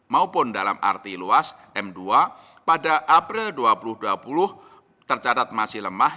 maupun dalam arti luas m dua pada april dua ribu dua puluh tercatat masih lemah